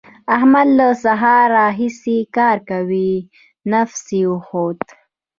احمد له سهار راهسې کار کوي؛ نفس يې وخوت.